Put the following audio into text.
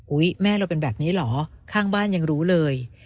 แม่เราเป็นแบบนี้เหรอข้างบ้านยังรู้เลย